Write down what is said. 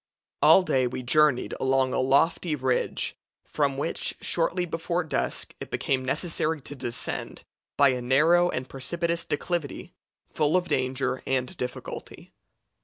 All day we journeyed along a lofty ridge, from which, shortly before dusk, it became necessary to descend by a narrow and precipitous declivity, full of danger and difficulty.